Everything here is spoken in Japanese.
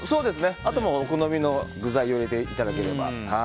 あとはお好みの具材を入れていただければ。